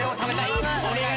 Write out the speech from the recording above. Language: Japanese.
お願い！